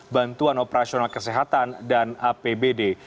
bantuan operasional kesehatan dan apbd